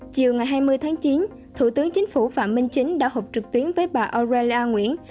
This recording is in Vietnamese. chiều ngày hai mươi tháng chín thủ tướng chính phủ phạm minh chính đã họp trực tuyến với bà orela nguyễn